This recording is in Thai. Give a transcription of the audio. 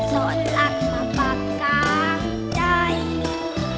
สอนหลักมาปักกลางใจ